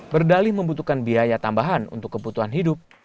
berdalih membutuhkan biaya tambahan untuk kebutuhan hidup